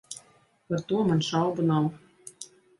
Par to man šaubu nav.